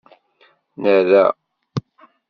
Nerra.